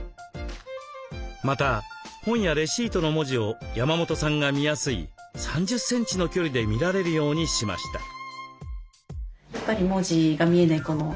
また本やレシートの文字を山本さんが見やすい３０センチの距離で見られるようにしました。